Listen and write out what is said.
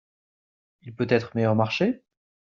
Il peut être meilleur marché ?